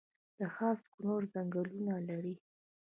د خاص کونړ ځنګلونه لري